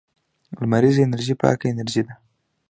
لمریزه انرژي پاکه انرژي ده